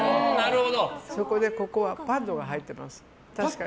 ここにはパットが入ってます。